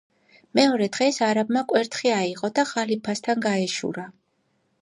მეორეს დღეს არაბმა კვერთხი აიღო და ხალიფასთან გაეშურა.